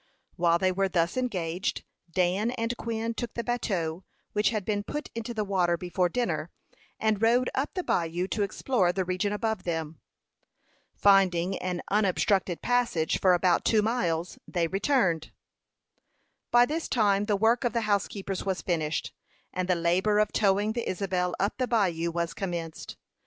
While they were thus engaged, Dan and Quin took the bateau, which had been put into the water before dinner, and rowed up the bayou to explore the region above them. Finding an unobstructed passage for about two miles, they returned. By this time the work of the housekeepers was finished, and the labor of towing the Isabel up the bayou was commenced.